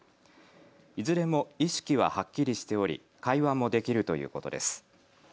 いずれも意識ははっきりしており会話もできるということです。